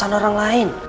perasaan orang lain